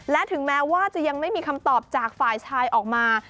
และถึงแม้ว่าจะยังไม่มีคำตอบจากฝ่ายชายออกมา